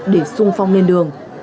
để sung phong lên đường